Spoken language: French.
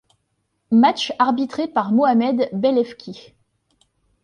Match arbitré par Mohamed Bellefkih.